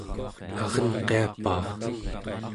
arenqiapaa!